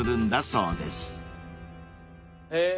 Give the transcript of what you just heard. へえ。